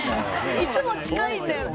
いつも近いんだよ。